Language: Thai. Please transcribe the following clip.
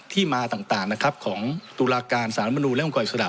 ที่มาต่างนะครับของตุลาการสารรัฐมนูลและองครอิสระ